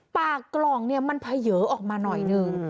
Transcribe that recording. ปากกล่องเนี่ยมันเผยออกมาหน่อยหนึ่ง